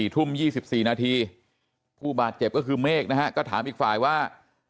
ทุ่ม๒๔นาทีผู้บาดเจ็บก็คือเมฆนะฮะก็ถามอีกฝ่ายว่า